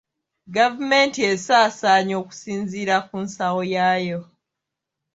Gavumenti esaasaanya okusinzira ku nsawo yaayo.